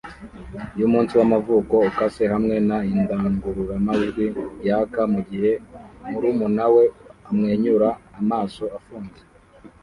yumunsi wamavuko ukase hamwe na indangurura majwi yaka mugihe murumunawe amwenyura amaso afunze